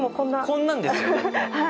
こんなんですよ、だって。